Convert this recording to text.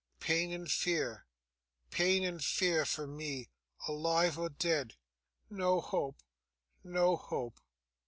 Pain and fear, pain and fear for me, alive or dead. No hope, no hope!